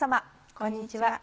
こんにちは。